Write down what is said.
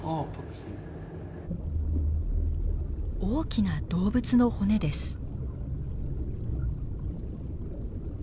大きな動物の骨です。